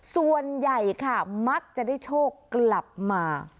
ส่วนใหญ่ค่ะมักจะได้โชคกลับมา